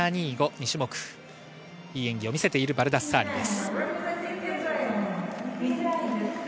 ２種目いい演技を見せているバルダッサーリです。